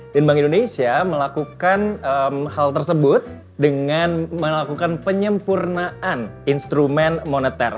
dan bank indonesia melakukan hal tersebut dengan melakukan penyempurnaan instrumen moneter